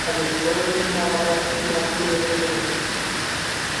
Але што замінала пайсці на тыя выбары?